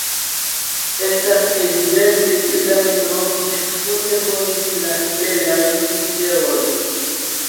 Estas evidente, ke Zamenhof ĝisfunde konis la hilelajn ideojn.